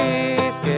kenapa gak pergi